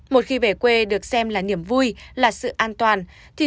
một khi về quê được xem là niềm vui là sự an toàn